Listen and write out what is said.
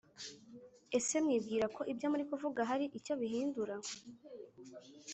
ese mwibwirako ibyo muri kuvuga hari icyo bihindura